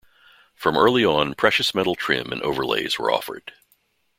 From early on, precious metal trim and overlays were offered.